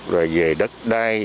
rồi về đất đai